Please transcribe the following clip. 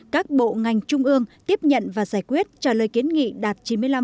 các bộ ngành trung ương tiếp nhận và giải quyết trả lời kiến nghị đạt chín mươi năm hai mươi tám